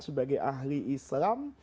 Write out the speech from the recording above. sebagai ahli islam